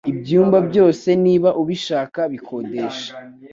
ibyumba byose niba ubishaka bikodeshe